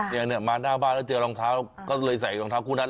เนี่ยมาหน้าบ้านแล้วเจอรองเท้าก็เลยใส่รองเท้าคู่นั้น